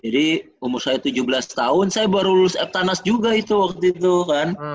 jadi umur saya tujuh belas tahun saya baru lulus eftanas juga itu waktu itu kan